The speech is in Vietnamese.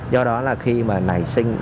do đó là khi mà nảy sinh